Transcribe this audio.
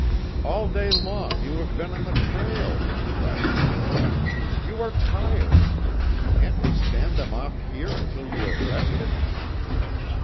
"All day long you have been on the trail," cried the girl, "You are tired! Can't we stand them off here until you are rested?"